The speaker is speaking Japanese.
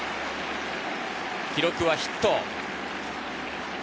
記録はヒット。